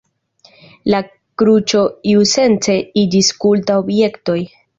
La kruĉo iusence iĝis kulta objekto.